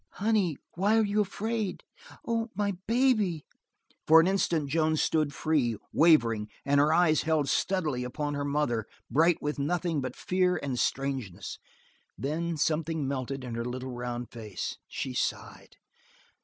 "Honey, why are you afraid? Oh, my baby!" For an instant Joan stood free, wavering, and her eyes held steadily upon her mother bright with nothing but fear and strangeness. Then something melted in her little round face, she sighed.